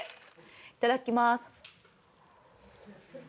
いただきます。